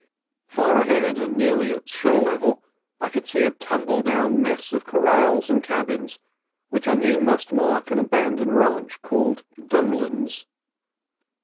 Far ahead, and nearly at shore level, I could see a tumble down mess of corrals and cabins which I knew must mark an abandoned ranch called Dolan's.